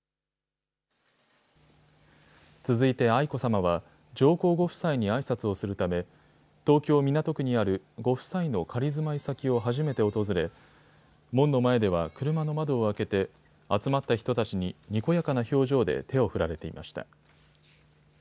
続いて愛子さまは上皇ご夫妻にあいさつをするため東京港区にあるご夫妻の仮住まい先を初めて訪れ、門の前では車の窓を開けて集まった人たちに、にこやかな表情で手を振られていました。